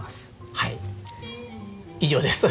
はい以上です。